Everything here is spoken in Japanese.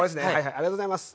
ありがとうございます。